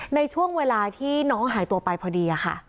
ในช่วงเวลาที่น้องหายตัวไปพอดีค่ะ